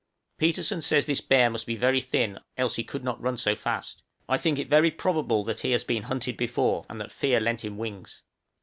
Petersen says this bear must be very thin, else he could not run so fast. I think it very probable that he has been hunted before, and that fear lent him wings.